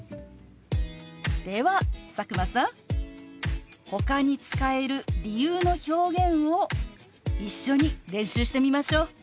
では佐久間さんほかに使える理由の表現を一緒に練習してみましょう。